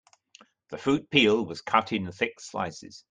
The fruit peel was cut in thick slices.